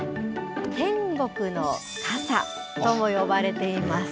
天国の傘とも呼ばれています。